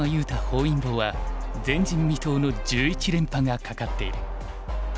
本因坊は前人未踏の１１連覇がかかっている。